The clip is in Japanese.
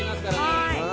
はい。